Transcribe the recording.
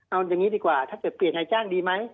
เอาอย่างนี้ดีกว่าถ้าเกิดเปลี่ยนนายจ้างดีไหม